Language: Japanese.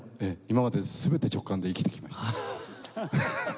今まで全て直感で生きてきました。